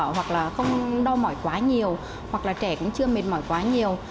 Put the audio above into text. hoặc là trẻ cũng chưa mệt mỏi quá nhiều